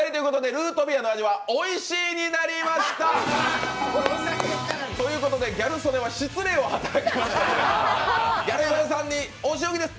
ルートビアの味はおいしいになりました！ということでギャル曽根は失礼を働きましたのでギャル曽根さんにおしおきです。